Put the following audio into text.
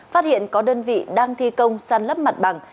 phát hiện có đơn vị đang thi công san lấp mặt bằng